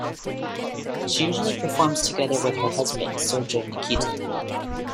She usually performs together with her husband, Sergey Nikitin.